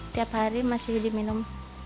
tiap hari masih diminum